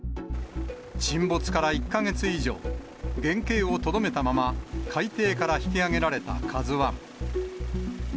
沈没から１か月以上、原形をとどめたまま、海底から引き揚げられたＫＡＺＵＩ。